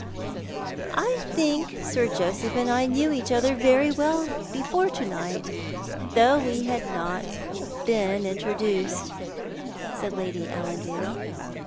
" I think Sir Joseph and I knew each other very well before to mght, though we had not been introduced," said Lady Allan dale.